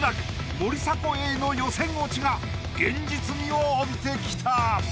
森迫永依の予選落ちが現実味を帯びてきた。